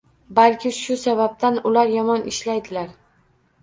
Balki shu sababdan ular yomon ishlaydilar